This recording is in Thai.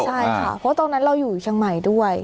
ใช่ค่ะเพราะตอนนั้นเราอยู่เชียงใหม่ด้วย